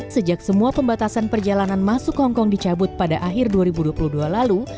sejak semua pembatasan perjalanan masuk hongkong dicabut pada akhir dua ribu dua puluh dua lalu